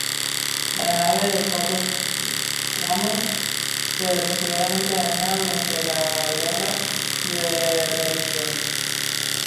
La nave de cuatro tramos fue severamente dañada durante las guerras de religión.